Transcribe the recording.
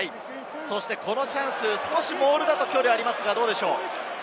このチャンス、少しモールだと距離はありますが、どうでしょう？